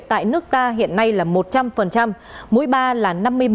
tại nước ta hiện nay là một trăm linh mũi ba là năm mươi bảy bốn